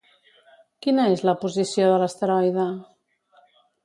Quina és la posició de l'asteroide?